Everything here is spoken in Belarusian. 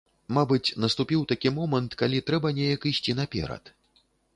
Мабыць, наступіў такі момант, калі трэба неяк ісці наперад.